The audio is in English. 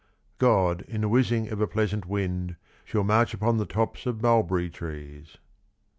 God, in the whizzing of a pleasant wind, ksliall march upon the tops of mulberry trees.'